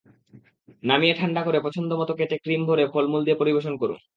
নামিয়ে ঠান্ডা করে পছন্দমতো কেটে ক্রিম ভরে ফলমূল দিয়ে পরিবেশন করুন।